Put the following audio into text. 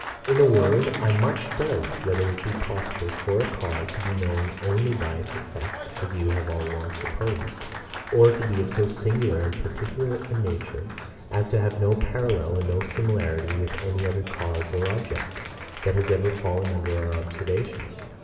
In a word, I much doubt whether it be possible for a cause to be known only by its effect (as you have all along supposed) or to be of so singular and particular a nature as to have no parallel and no similarity with any other cause or object, that has ever fallen under our observation.